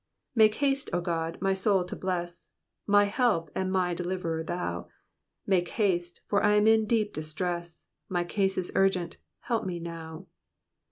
Make ha«te. O God, my soul to bless I My help aud my deliv'rer thou ; Make haste, for Fm in deep distress, My case is urgent ; help mc now.